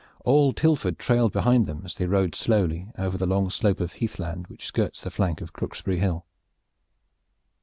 All Tilford trailed behind them, as they rode slowly over the long slope of heath land which skirts the flank of Crooksbury Hill.